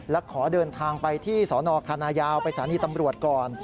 แล้วขอเดินทางไปที่ศคานายาวไปศาลีตำรวจก่อน